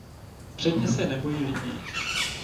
Předně se nebojí lidí.